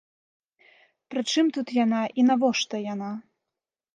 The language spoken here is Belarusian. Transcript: Прычым тут яна і навошта яна?